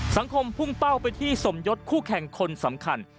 สังคมพุ่งเป้าไปที่สมยศคู่แข่งคนสำคัญ